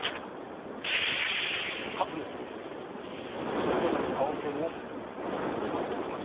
それぞれの顔ぶれも決まっております。